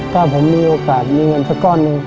ถ้าผมมีโอกาสมีเงินสักก้อนหนึ่ง